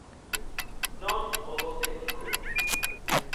Nós o doce e pico.